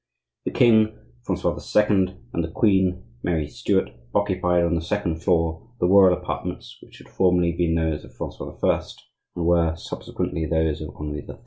The king, Francois II., and the queen, Mary Stuart, occupied, on the second floor, the royal apartments which had formerly been those of Francois I. and were, subsequently, those of Henri III.